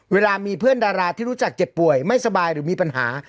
เวลามีเพื่อนดาราที่รู้จักเจ็บป่วยไม่สบายหรือมีปัญหา